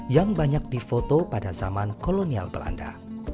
yang banyak difoto pada zaman kolonial belanda